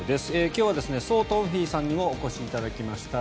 今日はソォ・トンフィさんにもお越しいただきました。